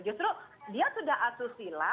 justru dia sudah asusila